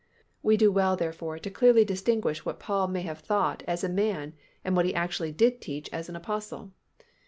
We do well therefore to carefully distinguish what Paul may have thought as a man and what he actually did teach as an Apostle.